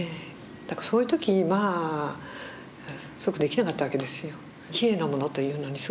だからそういう時まあそういうことできなかったわけですよ。